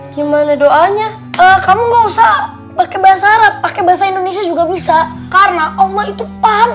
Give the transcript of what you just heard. gimana doanya kamu nggak usah pakai bahasa arab pakai bahasa indonesia juga bisa karena allah itu paham